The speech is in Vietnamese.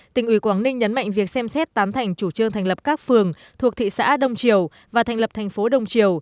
tỉnh ủy quảng ninh nhấn mạnh việc xem xét tám thành chủ trương thành lập các phường thuộc thị xã đông triều và thành lập thành phố đông triều